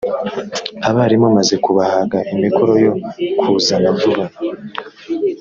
abarimu maze kubahaga imikoro yo ku zana vuba